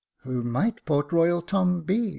" Who might Port Royal Tom be ?